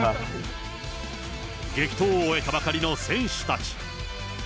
激闘を終えたばかりの選手たち。